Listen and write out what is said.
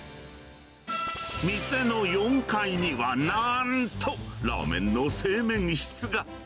店の４階にはなんと、ラーメンの製麺室が。